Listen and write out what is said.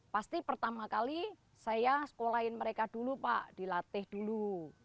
pasti pertama kali saya sekolahin mereka dulu pak dilatih dulu